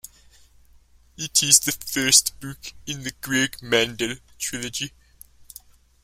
It is the first book in the Greg Mandel trilogy.